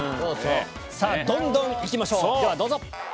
どんどん行きましょう！